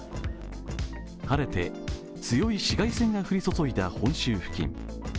晴れて強い紫外線が降り注いだ本州付近。